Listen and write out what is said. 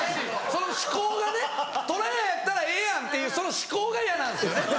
その思考がねとらややったらええやんというその思考が嫌なんですよね。